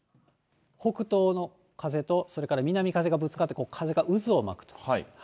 北東の風と、それから南風がぶつかって、風が渦を巻くと。